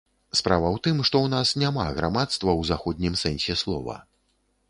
Справа ў тым, што ў нас няма грамадства ў заходнім сэнсе слова.